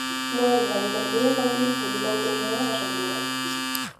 No eido da literatura infantil publicou Tres nenos nas alturas.